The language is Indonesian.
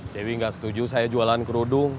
dewi gak setuju saya jualan kerudung